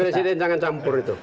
presiden jangan campur itu